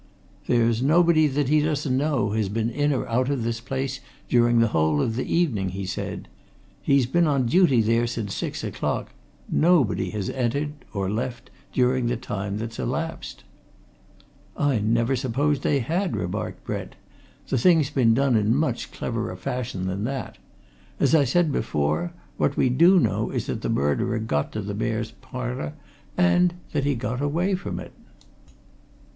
"There's nobody that he doesn't know has been in or out of this place during the whole of the evening," he said. "He's been on duty there since six o'clock. Nobody has entered or left during the time that's elapsed." "I never supposed they had," remarked Brent. "The thing's been done in much cleverer fashion than that! As I said before, what we do know is that the murderer got to the Mayor's Parlour, and that he got away from it!"